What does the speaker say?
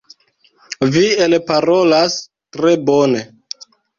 Vi elparolas tre bone.